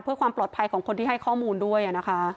เพื่อความปลอดภัยของคนที่ให้ข้อมูลด้วยนะคะ